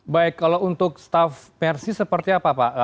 baik kalau untuk staff persis seperti apa pak